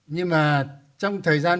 nhưng mà trong thời gian